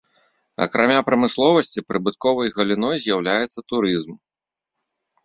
Акрамя прамысловасці прыбытковай галіной з'яўляецца турызм.